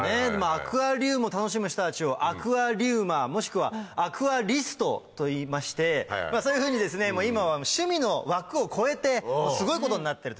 アクアリウムを楽しむ人たちをアクアリウマーもしくはアクアリストといいましてそういうふうに今は趣味の枠を超えてすごいことになってる。